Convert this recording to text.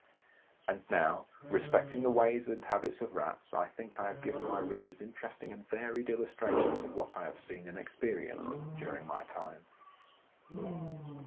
And now, respecting the ways and habits of Rats I think I have given my readers interesting and varied illustrations of what I have seen and experienced during my time.